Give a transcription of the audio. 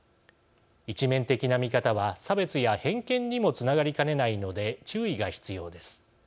一面的な見方は差別や偏見にもつながりかねないので注意が必要です。